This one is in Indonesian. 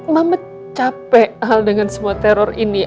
mama capek hal dengan semua teror ini